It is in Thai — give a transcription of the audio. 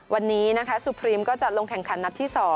วันนี้นะคะสุพรีมก็จะลงแข่งขันนัดที่๒